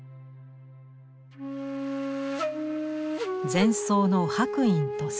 禅僧の白隠と仙。